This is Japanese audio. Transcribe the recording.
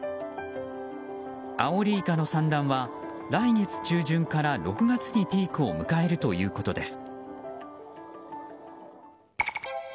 アオリイカの産卵は来月中旬から６月にピークを迎えるということです。